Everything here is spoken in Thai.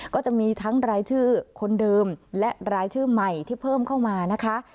ก็จะมีทั้งรายชื่อคนเดิมและรายชื่อใหม่ที่เพิ่มเข้ามานะคะ